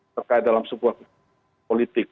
terkait dalam sebuah politik